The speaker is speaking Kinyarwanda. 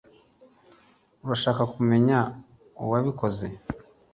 Urashaka kumenya uwabikoze